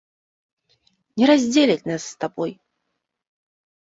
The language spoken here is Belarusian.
Не раздзеляць нас з табой!